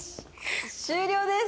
終了です。